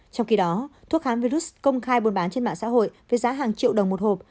trong khi đó thuốc kháng virus công khai buôn bán trên mạng xã hội với giá hàng triệu đồng một hộp